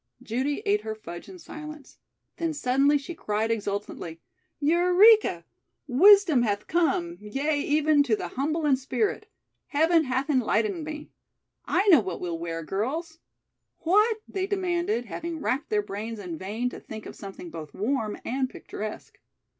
Judy ate her fudge in silence. Then suddenly she cried exultantly. "Eureka! Wisdom hath come, yea even to the humble in spirit. Heaven hath enlightened me. I know what we'll wear, girls." "What?" they demanded, having racked their brains in vain to think of something both warm and picturesque.